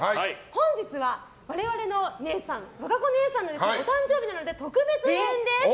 本日は、我々の姉さん和歌子姉さんのお誕生日なので特別版です。